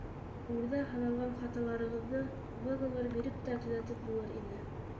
Үрҙә һаналған хаталарығыҙҙы выговор биреп тә төҙәтеп булыр ине.